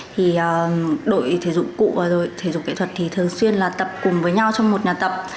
thì đội thể dục cụ và đội thể dục kỹ thuật thì thường xuyên là tập cùng với nhau trong một nhà tập